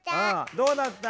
どうだった？